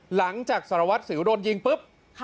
หลังจากสารวัตรสิวโดนยิงปุ๊บ